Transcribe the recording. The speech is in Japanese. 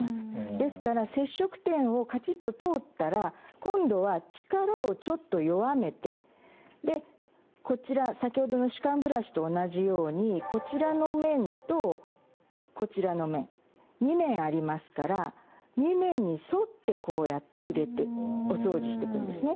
ですから接触点をカチッと通ったら今度は力をちょっと弱めてでこちら先ほどの歯間ブラシと同じようにこちらの面とこちらの面２面ありますから２面に沿ってこうやって入れてお掃除してくんですね。